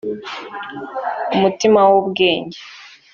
umutima w’ ubwenge